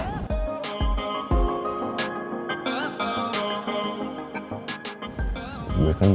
kan belum dapet jawaban dari